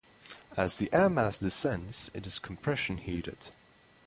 As the air mass descends, it is compression heated.